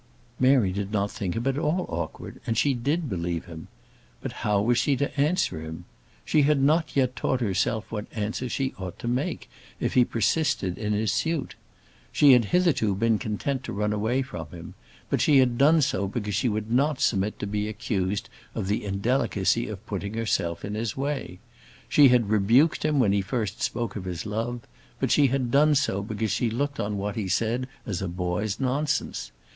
Mary did not think him at all awkward, and she did believe him. But how was she to answer him? She had not yet taught herself what answer she ought to make if he persisted in his suit. She had hitherto been content to run away from him; but she had done so because she would not submit to be accused of the indelicacy of putting herself in his way. She had rebuked him when he first spoke of his love; but she had done so because she looked on what he said as a boy's nonsense.